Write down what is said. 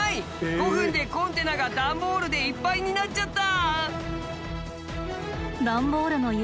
５分でコンテナが段ボールでいっぱいになっちゃった。